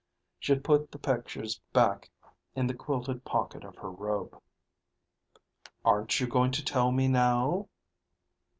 She put the pictures back in the quilted pocket of her robe. "Aren't you going to tell me, now?"